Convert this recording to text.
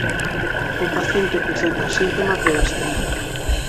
O paciente presenta síntomas de gastrite.